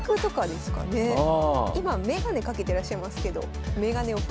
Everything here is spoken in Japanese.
今眼鏡かけてらっしゃいますけど眼鏡奥。